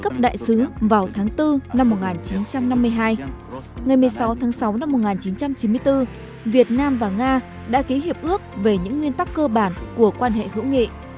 tháng ba năm hai nghìn hai ngày một mươi sáu tháng sáu năm một nghìn chín trăm chín mươi bốn việt nam và nga đã ký hiệp ước về những nguyên tắc cơ bản của quan hệ hữu nghị